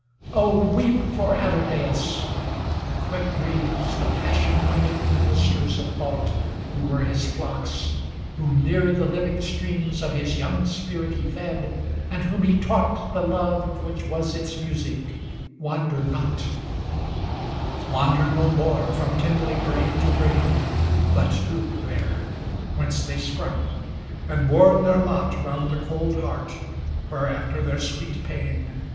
IX Oh, weep for Adonais ! ŌĆö The quick Dreams, The passion winged ministers of thought. Who were his flocks, whom near the liv ing streams Of his young spirit he fed, and whom he taught The love which was its music, wander not, ŌĆö Wander no more, from kindling brain to brain, But droop there, whence they sprung; and mourn their lot Round the cold heart, where, after their sweet pain.